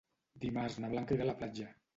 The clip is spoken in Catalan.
Dimarts na Blanca irà a la platja.